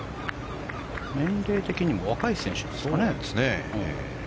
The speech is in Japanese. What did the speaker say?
年齢的にも若い選手ですね。